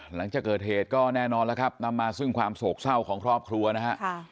หลังจากเกิดเหตุก็แน่นอนแล้วครับนำมาซึ่งความโศกเศร้าของครอบครัวนะฮะ